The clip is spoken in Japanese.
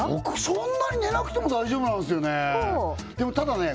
そんなに寝なくても大丈夫なんですよねでもただね